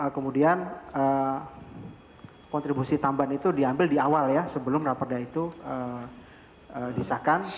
kemudian kontribusi tambahan itu diambil di awal ya sebelum raperda itu disahkan